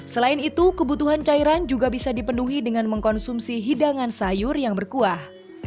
selain itu kebutuhan cairan juga bisa dipenuhi dengan mengkonsumsi hidangan sayur yang berkuah